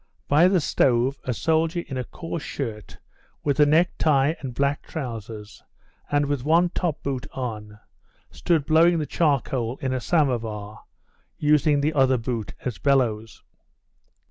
By the stove a soldier in a coarse shirt with a necktie and black trousers, and with one top boot on, stood blowing the charcoal in a somovar, using the other boot as bellows.